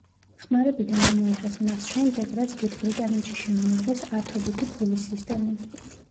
ხმარებიდან ამოიღეს მას შემდეგ, რაც დიდ ბრიტანეთში შემოიღეს ათობითი ფულის სისტემა.